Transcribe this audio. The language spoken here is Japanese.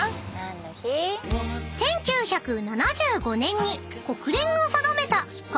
［１９７５年に国連が定めた］